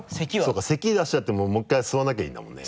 そうかせき出しちゃってももう１回吸わなきゃいいんだもんね